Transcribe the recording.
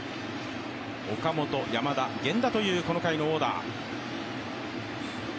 岡本、山田、源田というこの回のオーダー。